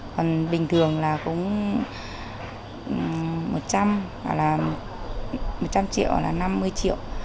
còn bình thường là cũng một trăm linh hoặc là một trăm linh triệu hoặc là năm mươi triệu